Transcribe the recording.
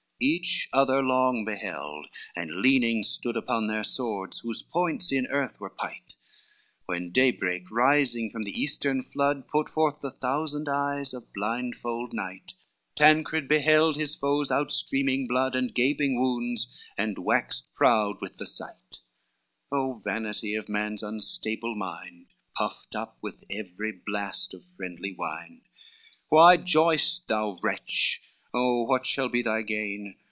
LVIII Each other long beheld, and leaning stood Upon their swords, whose points in earth were pight, When day break, rising from the eastern flood, Put forth the thousand eyes of blindfold night; Tancred beheld his foe's out streaming blood, And gaping wounds, and waxed proud with the sight, Oh vanity of man's unstable mind, Puffed up with every blast of friendly wind! LIX Why joy'st thou, wretch? Oh, what shall be thy gain?